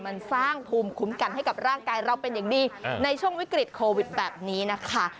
มันสร้างภูมิคุ้มกันให้กับร่างกายเราเป็นอย่างดีในช่วงวิกฤตโควิดแบบนี้นะคะ